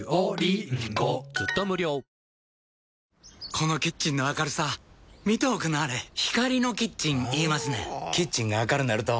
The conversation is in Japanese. このキッチンの明るさ見ておくんなはれ光のキッチン言いますねんほぉキッチンが明るなると・・・